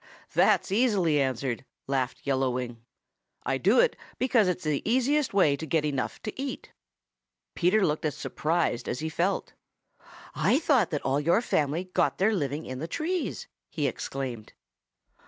"That's easily answered," laughed Fellow Wing. "I do it because it is the easiest way to get enough to eat." Peter looked as surprised as he felt. "I thought that all your family got their living in the trees!" he exclaimed.